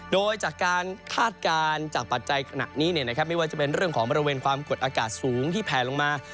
โดยจากการคาดการณ์จากปัจจัยขณะนี้ไม่ว่าจะเป็นเรื่องของบริเวณความกดอากาศสูงที่แผลลงมา